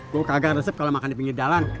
gue kagak resep kalau makan di pinggir jalan